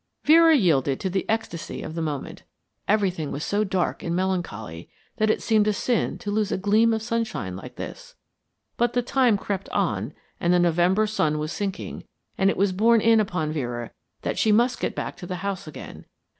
Vera yielded to the ecstasy of the moment. Everything was so dark and melancholy that it seemed a sin to lose a gleam of sunshine like this. But the time crept on and the November sun was sinking, and it was borne in upon Vera that she must get back to the house again.